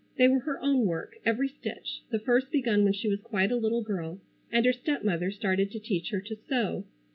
They were her own work, every stitch, the first begun when she was quite a little girl, and her stepmother started to teach her to sew.